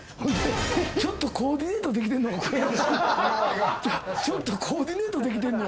ちょっとコーディネートできてんのよあれ。